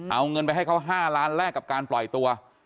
เอาเงินไปให้เขา๕ล้านแรกกับการปล่อยตัว